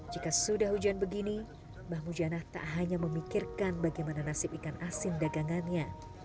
jika sudah hujan begini mbah mujana tak hanya memikirkan bagaimana nasib ikan asin dagangannya